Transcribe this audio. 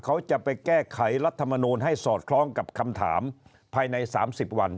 เขาจะไปแก้ไขรัฐมนูลให้สอดคล้องกับคำถามภายใน๓๐วัน